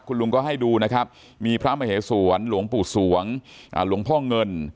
คุณลุงก็ให้ดูนะครับมีพระมเหสวนหลวงปู่สวงหลวงพ่อเงิน